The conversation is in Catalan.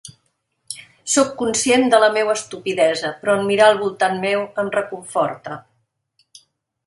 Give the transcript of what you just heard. Soc conscient de la meua estupidesa, però en mirar al voltant meu em reconforte.